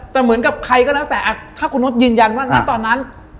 แต่เหมือนกับใครก็แล้วแต่ถ้าคุณโน๊ตยืนยันว่าณตอนนั้น